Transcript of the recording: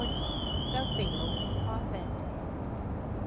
THE VEILED PROPHET.